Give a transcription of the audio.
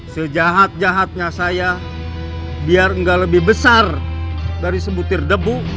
sejahat jahatnya saya biar enggak lebih besar dari sebutir debu